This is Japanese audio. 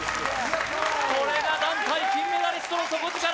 これが団体金メダリストの底力！